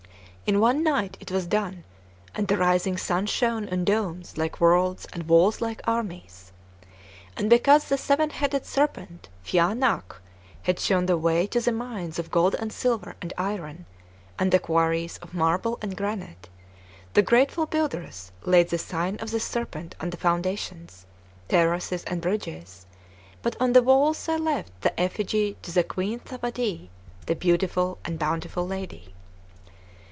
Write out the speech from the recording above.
In one night it was done, and the rising sun shone on domes like worlds and walls like armies. And because the seven headed serpent, Phya Naghk, had shown the way to the mines of gold and silver and iron, and the quarries of marble and granite, the grateful builders laid the sign of the serpent on the foundations, terraces, and bridges; but on the walls they left the effigy of the Queen Thawadee, the beautiful and bountiful lady.